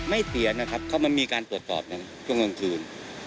ไม่เสียนะครับเขามามีการตรวจสอบจนกลางคืน